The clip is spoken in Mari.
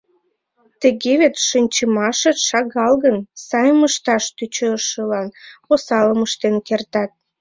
Тыге вет, шинчымашет шагал гын, сайым ышташ тӧчышылан осалым ыштен кертат.